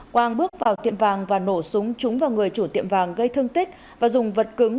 quang bước vào tiệm vàng và nổ súng trúng vào người chủ tiệm vàng gây thương tích và dùng vật cứng